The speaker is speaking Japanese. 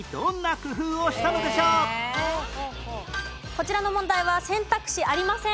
こちらの問題は選択肢ありません。